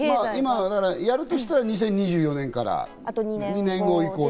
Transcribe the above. やるとしたら２０２４年から２年後以降。